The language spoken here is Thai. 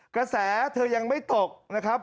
กระแสเธอยังไม่ตกนะครับ